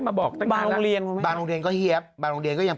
มาบอกบางโรงเรียนบางโรงเรียนก็เฮียบบางโรงเรียนก็ยัง